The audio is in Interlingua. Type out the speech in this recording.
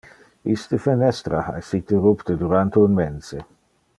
Iste fenestra ha essite rupte durante un mense.